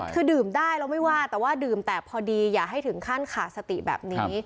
คือดื่มได้เราไม่ว่าแต่ว่าดื่มแต่พอดีอย่าให้ถึงขั้นขาดสติแบบนี้